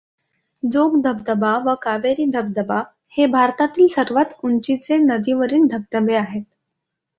जोग धबधबा व कावेरी धबधबा हे भारतातील सर्वात उंचीचे नदीवरील धबधबे आहेत.